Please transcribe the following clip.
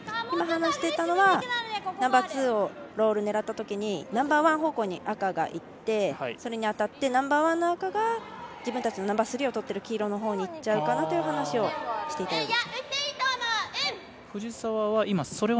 今、話していたのはナンバーツーをロール狙ったときにナンバーワン方向に赤がいって、それに当たってナンバーワンの赤が自分たちのナンバースリーを取っている黄色に行っちゃうかなという話をしていたようですね。